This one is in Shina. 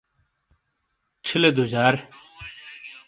چھیلے دُجار